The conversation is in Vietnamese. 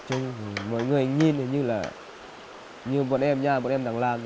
nói chung mọi người nhìn thì như là như bọn em nha bọn em đang làm